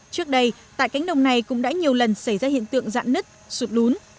trước đây tại cánh đồng này cũng đã nhiều lần xảy ra hiện tượng giãn nứt sụt lún